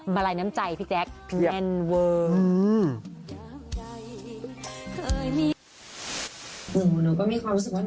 มาลัยน้ำใจพี่แจ็คเผี้ยนเว่ม